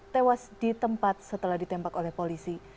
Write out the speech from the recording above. tewas di tempat setelah ditembak oleh polisi